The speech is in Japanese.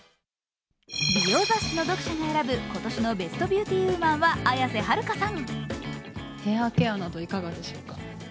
美容雑誌の読者が選ぶ今年のベストビューティウーマンは綾瀬はるかさん。